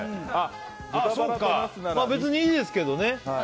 まあ、別にいいですけどね。